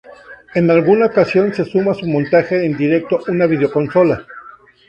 En alguna ocasión se suma a su montaje en directo una videoconsola.